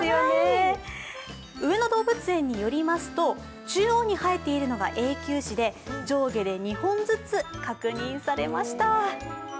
上野動物園によりますと、中央に生えているのが永久歯で上下で２本ずつ確認されました。